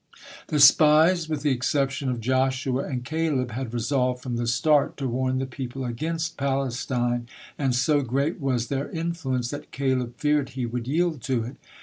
The spies, with the exception of Joshua and Caleb, had resolved from the start to warn the people against Palestine, and so great was their influence that Caleb feared he would yield to it.